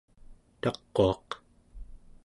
taquaq